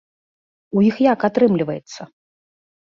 У іх як атрымліваецца?